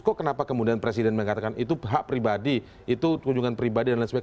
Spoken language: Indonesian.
kok kenapa kemudian presiden mengatakan itu hak pribadi itu kunjungan pribadi dan lain sebagainya